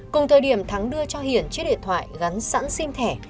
cùng thời điểm thắng đưa cho hiển chiếc điện thoại gắn sẵn sim thẻ